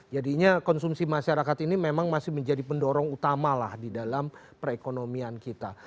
jadinya konsumsi masyarakat ini memang masih menjadi pendorong utama lah di dalam perekonomian kita